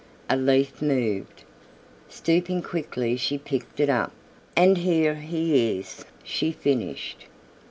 A leaf moved. Stooping quickly she picked it up. "And here he is," she finished.